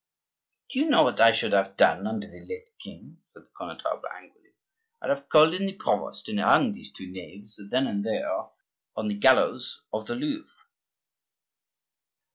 "Do you know what I should have done under the late king?" said the Connetable, angrily. "I'd have called in the provost and hung those two knaves, then and there, on the gallows of the Louvre."